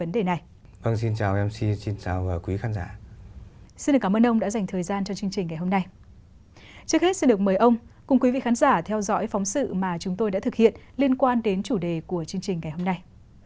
trước hết xin được mời ông cùng quý vị khán giả theo dõi phóng sự mà chúng tôi đã thực hiện liên quan đến chủ đề của chương trình ngày hôm nay